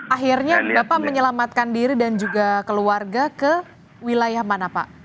akhirnya bapak menyelamatkan diri dan juga keluarga ke wilayah mana pak